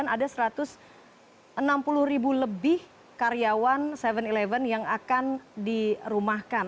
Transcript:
ada satu ratus enam puluh ribu lebih karyawan tujuh sebelas yang akan dirumahkan